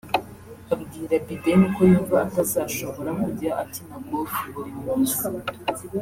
Abwira Biden ko yumva atazashobora kujya akina golf buri munsi